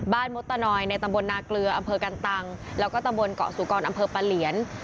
มดตนอยในตำบลนาเกลืออำเภอกันตังแล้วก็ตำบลเกาะสุกรอำเภอปะเหลียน